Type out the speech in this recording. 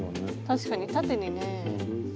確かに縦にね。